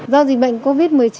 do dịch bệnh covid một mươi chín